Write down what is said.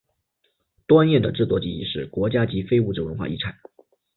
端砚的制作技艺是国家级非物质文化遗产。